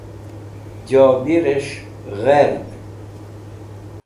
Jobirẽs̃h gherd